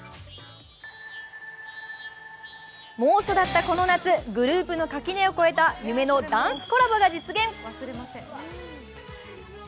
猛暑だったこの夏、グループの垣根を越えた夢のダンスコラボが実現。